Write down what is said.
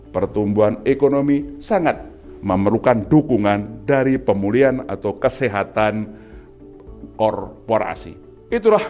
pertumbuhan ekonomi sangat memerlukan dukungan dari pemulihan atau kesehatan korporasi itulah